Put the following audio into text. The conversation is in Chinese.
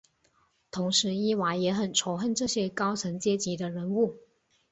同时伊娃也很仇恨这些高层阶级的人物。